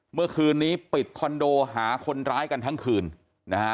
เมื่อคืนนี้ปิดคอนโดหาคนร้ายกันทั้งคืนนะฮะ